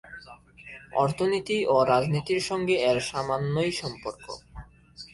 অর্থনীতি ও রাজনীতির সঙ্গে এর সামান্যই সম্পর্ক।